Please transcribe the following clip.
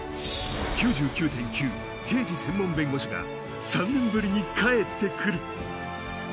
「９９．９−刑事専門弁護士−」が３年ぶりに帰って来る！